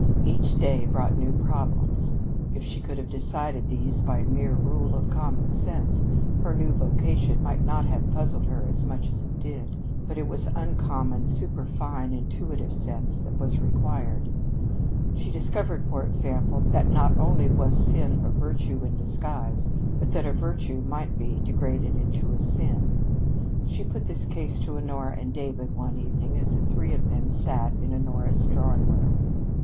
Each day brought new problems. If she could have decided these by mere rule of common sense, her new vocation might not have puzzled her as much as it did. But it was uncommon, superfine, intuitive sense that was required. She discovered, for example, that not only was sin a virtue in disguise, but that a virtue might be degraded into a sin. She put this case to Honora and David one evening as the three of them sat in Honora's drawing room.